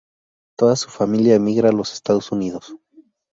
Toda su familia emigra a los Estados Unidos.